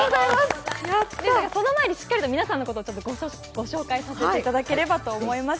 その前にしっかりと皆さんのことをご紹介させていただければと思います。